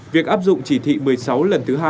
việc áp dụng chỉ thị một mươi sáu lần thứ hai